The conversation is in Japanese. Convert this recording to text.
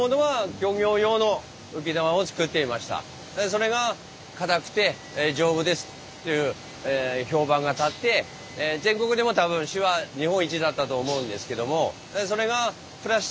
それが「硬くて丈夫です」という評判が立って全国でも多分シェア日本一だったと思うんですけども。